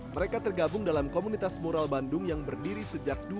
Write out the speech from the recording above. mereka tergabung dalam komunitas mural bandung yang berdiri sejak dua ribu